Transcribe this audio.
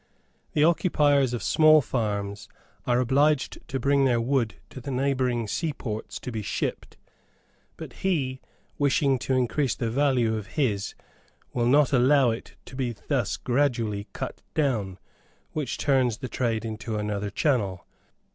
The occupiers of small farms are obliged to bring their wood to the neighbouring seaports to be shipped; but he, wishing to increase the value of his, will not allow it to be thus gradually cut down, which turns the trade into another channel.